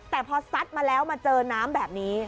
แต่พอซัดมาแล้วมาเจอน้ำแบบนี้